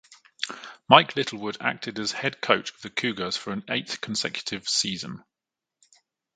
Mike Littlewood acted as head coach of the Cougars for an eighth consecutive season.